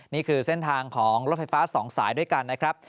นี่คือเส้นทางของรถไฟฟ้า๒สายด้วยกันนะครับ